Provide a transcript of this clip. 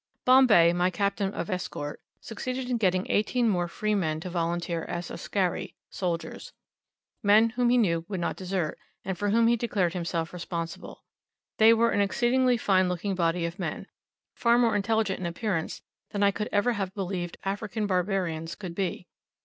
Bombay, my captain of escort, succeeded in getting eighteen more free men to volunteer as "askari" (soldiers), men whom he knew would not desert, and for whom he declared himself responsible. They were an exceedingly fine looking body of men, far more intelligent in appearance than I could ever have believed African barbarians could be.